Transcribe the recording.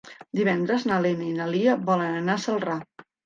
Divendres na Lena i na Lia volen anar a Celrà.